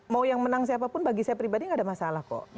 mau yang menang siapapun bagi saya pribadi nggak ada masalah kok